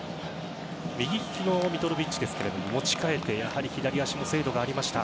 右利きのミトロヴィッチ持ち替えてやはり左足の精度がありました。